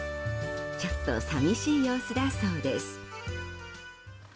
ちょっと寂しい様子だそうです。